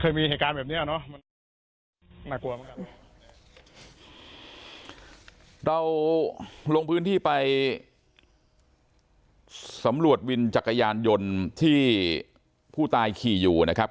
เราลงพื้นที่ไปสำรวจวินจักรยานยนต์ที่ผู้ตายขี่อยู่นะครับ